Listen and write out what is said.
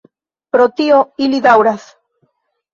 Pro tio ili daŭras.